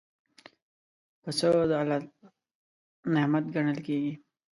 پسه د الله نعمت ګڼل کېږي.